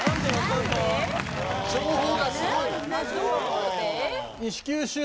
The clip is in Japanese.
情報がすごい。